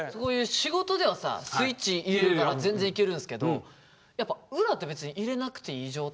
仕事ではさスイッチ入れるから全然いけるんすけどやっぱ裏って別に入れなくていい状態で元気。